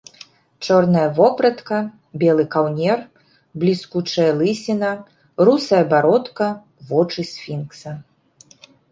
Чорная вопратка, белы каўнер, бліскучая лысіна, русая бародка, вочы сфінкса.